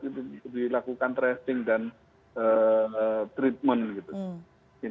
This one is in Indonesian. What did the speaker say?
itu dilakukan tracing dan treatment gitu